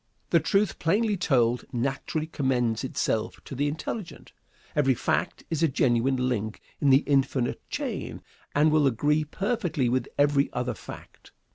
The truth, plainly told, naturally commends itself to the intelligent. Every fact is a genuine link in the infinite chain, and will agree perfectly with every other fact.